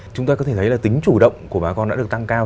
chúng ta có thể thấy là tính chủ động của bà con đã được tăng cao